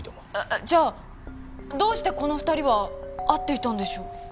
えっじゃあどうしてこの２人は会っていたんでしょう？